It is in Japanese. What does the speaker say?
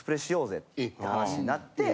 って話になって。